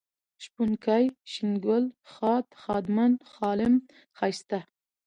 شپونکی ، شين گل ، ښاد ، ښادمن ، ښالم ، ښايسته